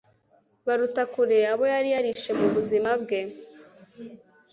baruta kure abo yari yarishe mu buzima bwe